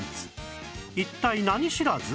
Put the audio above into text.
一体何知らず？